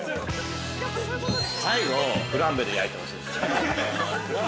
◆最後、フランベで焼いてほしいですね。